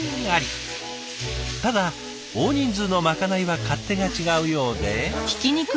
ただ大人数のまかないは勝手が違うようで。